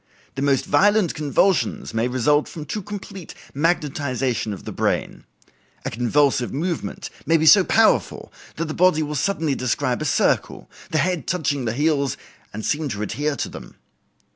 The most violent convulsions may result from too complete magnetization of the brain. A convulsive movement may be so powerful that the body will suddenly describe a circle, the head touching the heels and seem to adhere to them.